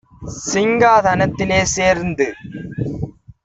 சிங்கா தனத்திலே சேர்ந்து: